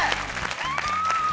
すごい！